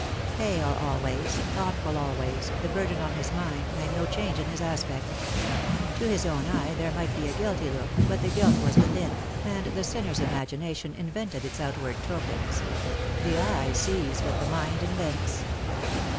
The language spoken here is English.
Pale always, thoughtful always, the burden on his minv. made no change in his aspect. To his own eye there might be a guilty look, but the guilt was within, and the feliiner'a 168 Lost for Love. imagination invented its outward tokens. The eye sees what the mind invents.